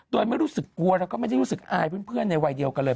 โดยไม่รู้สึกกลัวแล้วก็ไม่ได้รู้สึกอายเพื่อนในวัยเดียวกันเลย